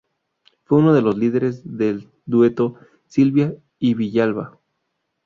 Fue uno de los líderes del dueto "Silva y Villalba".